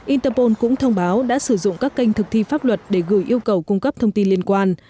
interpol cũng thông báo đã sử dụng các kênh thực thi pháp luật để gửi yêu cầu cung cấp thông tin liên quan